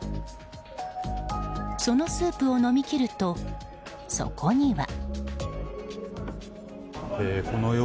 そのスープを飲み切ると底には。